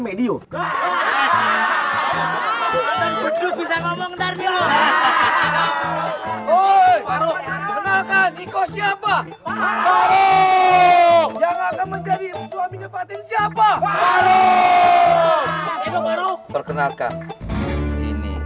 hai kenalkan ikut siapa yang akan menjadi suami nyebatin siapa baru perkenalkan ini